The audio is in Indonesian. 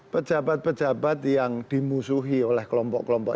seperti yang dimusuhi oleh kelompok kelompok